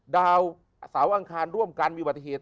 ดาวเสาร์อังคารร่วมกันมีอุบัติเหตุ